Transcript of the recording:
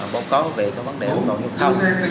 báo cáo về vấn đề ủng hộ nhu thông